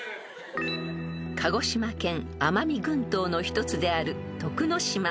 ［鹿児島県奄美群島の一つである徳之島］